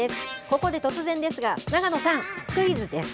ここで突然ですが、永野さん、クイズです。